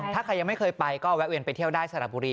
ถ้าใครยังไม่เคยไปก็แวะเวียนไปเที่ยวได้สระบุรี